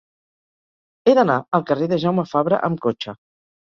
He d'anar al carrer de Jaume Fabra amb cotxe.